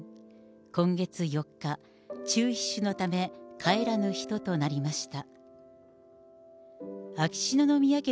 今月４日、中ひ腫のため、帰らぬ人となりました。